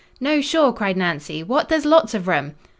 "No, sure!" cried Nancy. "What, there's lots o' room!"